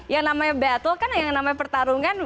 yang namanya battle kan yang namanya pertarungan